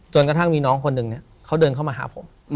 กระทั่งมีน้องคนหนึ่งเขาเดินเข้ามาหาผม